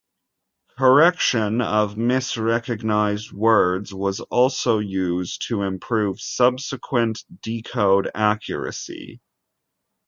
Correction of mis-recognised words was also used to improve subsequent decode accuracy.